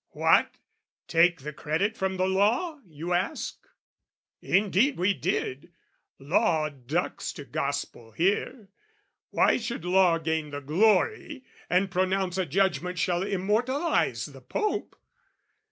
"What, take the credit from the Law?" you ask? Indeed, we did! Law ducks to Gospel here: Why should Law gain the glory and pronounce A judgment shall immortalise the Pope?